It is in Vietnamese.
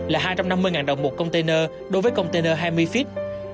là hai trăm năm mươi đồng một container đối với container hai mươi feet